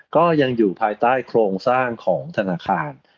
ก็ยังอยู่ภายใต้โครงสร้างของธนาคาร